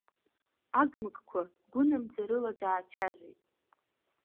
Агмыгқәа гәынамӡарыла даацәажәеит.